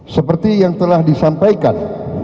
seperti yang telah disampaikan